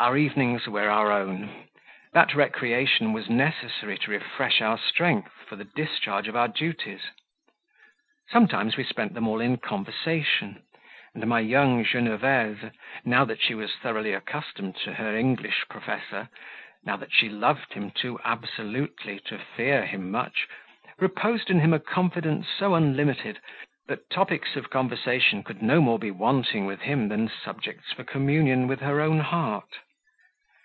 Our evenings were our own; that recreation was necessary to refresh our strength for the due discharge of our duties; sometimes we spent them all in conversation, and my young Genevese, now that she was thoroughly accustomed to her English professor, now that she loved him too absolutely to fear him much, reposed in him a confidence so unlimited that topics of conversation could no more be wanting with him than subjects for communion with her own heart.